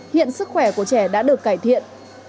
hiện sức khỏe của trẻ đã được cải thiện